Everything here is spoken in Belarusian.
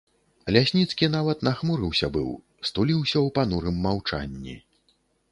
Лясніцкі нават нахмурыўся быў, стуліўся ў панурым маўчанні.